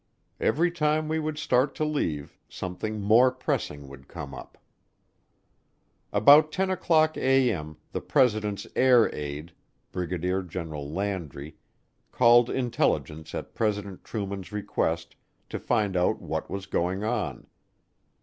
Every time we would start to leave, something more pressing would come up. About 10:00A.M. the President's air aide, Brigadier General Landry, called intelligence at President Truman's request to find out what was going on.